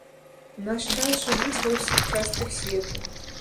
У наш час жывуць ва ўсіх частках свету.